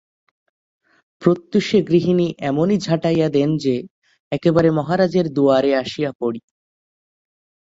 প্রত্যুষে গৃহিণী এমনি ঝাঁটাইয়া দেন যে, একেবারে মহারাজের দুয়ারে আসিয়া পড়ি।